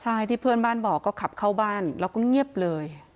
ใช่ที่เพื่อนบ้านบอกก็ขับเข้าบ้านแล้วก็เงียบเลย